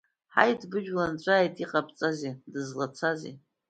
Ҳаит, быжәла нҵәааит иҟабҵази, дызлацази?